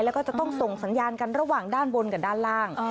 แล้วก็จะต้องส่งสัญญาณกันระหว่างด้านบนกับด้านล่าง